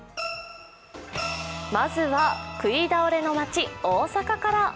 まずは食い倒れの街・大阪から。